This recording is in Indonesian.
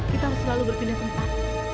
kita harus selalu berpindah tempat